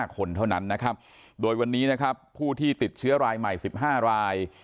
คนเท่านั้นนะครับโดยวันนี้นะครับผู้ที่ติดเชื้อรายใหม่๑๕ราย